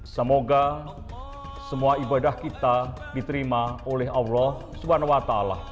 semoga semua ibadah kita diterima oleh allah swt